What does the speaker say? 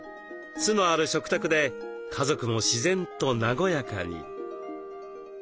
酢のある食卓で家族も自然と和やかに。